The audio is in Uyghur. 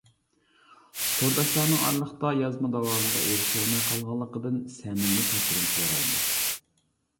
تورداشلارنىڭ ئارىلىقتا يازما داۋامىغا ئېرىشەلمەي قالغانلىقىدىن سەمىمىي كەچۈرۈم سورايمىز.